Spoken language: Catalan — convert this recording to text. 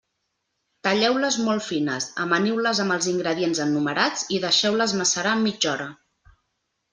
Talleu-les molt fines, amaniu-les amb els ingredients enumerats i deixeu-les macerar mitja hora.